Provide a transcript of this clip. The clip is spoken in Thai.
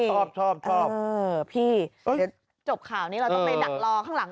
ดีกว่าโอ้โหชอบชอบชอบเออพี่จบข่าวนี้เราต้องไปดักรอข้างหลัง